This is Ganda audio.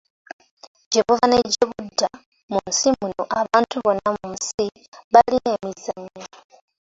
Gye buva ne gye budda mu nsi muno abantu bonna mu nsi balina emizannyo.